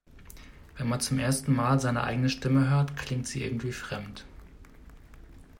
Wenn man zum ersten Mal seine eigene Stimme hört, klingt sie irgendwie fremd.